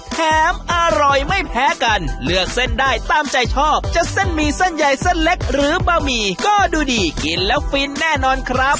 แถมอร่อยไม่แพ้กันเลือกเส้นได้ตามใจชอบจะเส้นหมี่เส้นใหญ่เส้นเล็กหรือบะหมี่ก็ดูดีกินแล้วฟินแน่นอนครับ